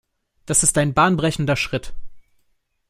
Das ist ein bahnbrechender Schritt.